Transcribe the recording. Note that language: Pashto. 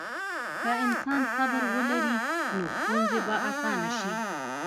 که انسان صبر ولري، نو ستونزې به اسانه شي.